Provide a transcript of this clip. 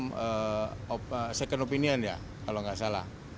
semacam second opinion ya kalau nggak salah